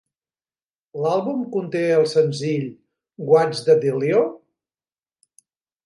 L'àlbum conté el senzill "What's the Dillio?"